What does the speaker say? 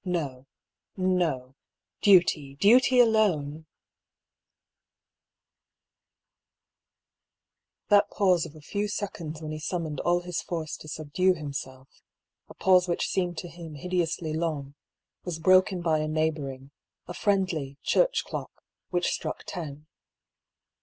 No, no ; duty, duty alone That pause of a few seconds when he summoned all his force to subdue himself, a pause which seemed to him hideously long, was broken by a neighbouring, a friendly church clock, which struck ten.